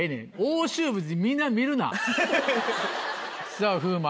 さぁ風磨